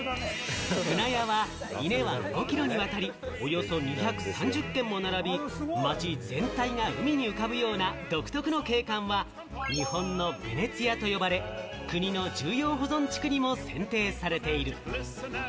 舟屋は伊根湾５キロにわたり、およそ２３０軒も並び、街全体が海に浮かぶような独特の景観は日本のヴェネツィアと呼ばれ、国の重要保存地区にも選定されている。